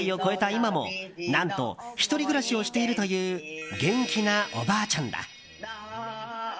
今も何と１人暮らしをしているという元気なおばあちゃんだ。